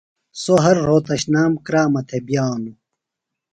سوۡ ہر روھوتشنام کرامہ تھےۡ بِیانوۡ۔